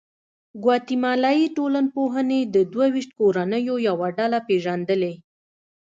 ګواتیمالایي ټولنپوهې د دوه ویشت کورنیو یوه ډله پېژندلې.